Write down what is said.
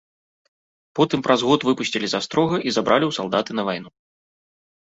Потым праз год выпусцілі з астрога і забралі ў салдаты на вайну.